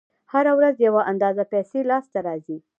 هره ورځ یوه اندازه پیسې لاس ته راځي